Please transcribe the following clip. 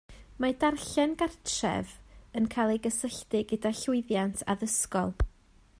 Mae darllen gartref yn cael ei gysylltu gyda llwyddiant addysgol